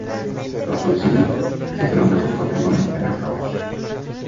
Tras su exilio, Cicerón dejó su patrimonio en el caos.